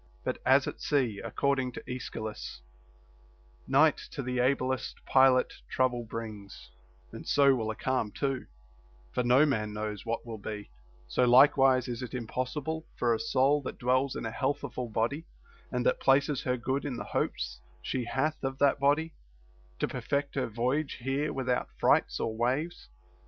But as at sea (according to Aeschylus) Night to the ablest pilot trouble brings,* and so will a calm too, for no man knows what will be, — so likewise is it impossible for a soul that dwells in a health ful body, and that places her good in the hopes she hath of that body, to perfect her voyage here without frights or waves.